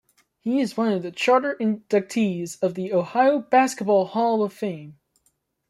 He is one of the charter inductees of the Ohio Basketball Hall of Fame.